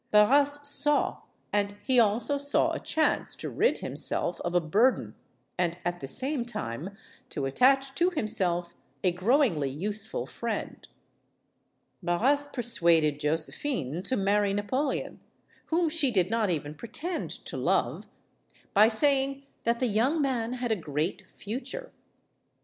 Barras saw; and he also saw a chance to rid himself of a burden and at the same time to attach to himself a growingly useful friend. Barras persuaded Josephine to marry Napoleon whom she did not even pretend to love by saying that the young man had a great future.